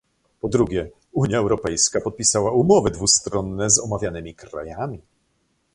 Po drugie, Unia Europejska podpisała umowy dwustronne z omawianymi krajami